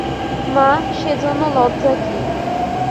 মা, সেজন্য লজ্জা কী।